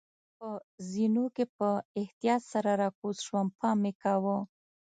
په زینو کې په احتیاط سره راکوز شوم، پام مې کاوه.